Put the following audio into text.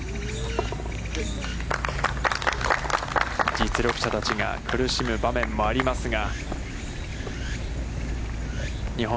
実力者たちが苦しむ場面もありますが。